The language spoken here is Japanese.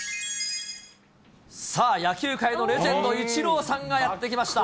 さあ、野球界のレジェンド、イチローさんがやって来ました。